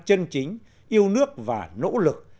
chân chính yêu nước và nỗ lực